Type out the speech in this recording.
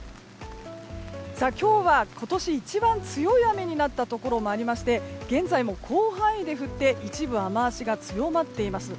今日は今年一番強い雨になったところもありまして現在も広範囲で降って一部、雨脚が強まっています。